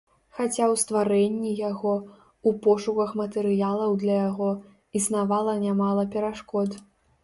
Хаця ў стварэнні яго, у пошуках матэрыялаў для яго, існавала нямала перашкод.